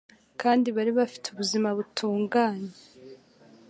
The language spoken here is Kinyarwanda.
kandi bari bafite ubuzima butunganye.